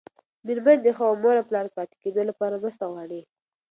مېرمنې د ښه مور او پلار پاتې کېدو لپاره مرسته غواړي.